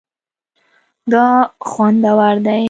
دا خوندور دی